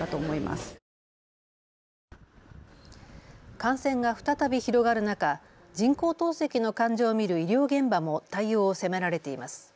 感染が再び広がる中、人工透析の患者を診る医療現場も対応を迫られています。